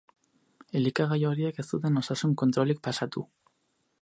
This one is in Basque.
Elikagai horiek ez zuten osasun kontrolik pasatu.